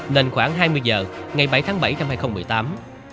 lên khoảng hai mươi h ngày bảy tháng bảy năm hai nghìn một mươi tám